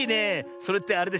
それってあれでしょ。